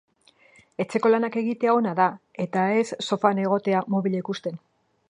Etxeko lanak egitea ona da eta ez sofan egotea mobila ikusten.